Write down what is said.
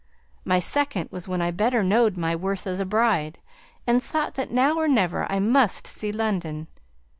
My second was when I better knowed my worth as a bride, and thought that now or never I must see London.